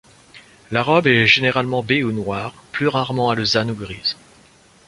La robe est généralement baie ou noire, plus rarement alezane ou grise.